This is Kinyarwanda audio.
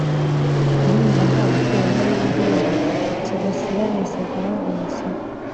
Intimba nzagutera Niyo ubu ndiho nsigasira Nisegura ngo nyisibe!